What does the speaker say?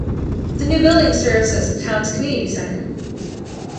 The new building serves as the town's community center.